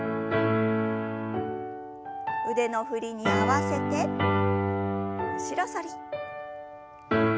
腕の振りに合わせて後ろ反り。